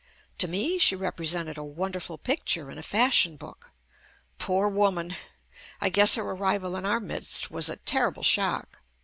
To me she represented a wonderful picture in a fashion book. Poor woman! I guess her ar rival in our midst was a terrible shock.